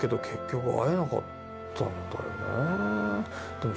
でも